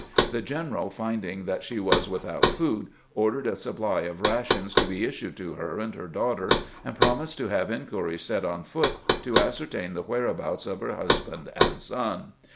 The general, finding that she was without food, ordered a supply of rations to be issued to her and her daughter, and promised to have inquiries set on foot to ascertain the whereabouts of her husband and son.